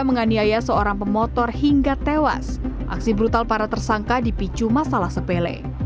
menganiaya seorang pemotor hingga tewas aksi brutal para tersangka dipicu masalah sepele